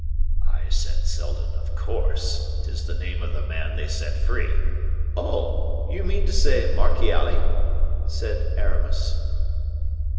"I said Seldon, of course. 'Tis the name of the man they set free." "Oh! you mean to say Marchiali?" said Aramis.